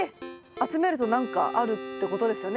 集めると何かあるってことですよね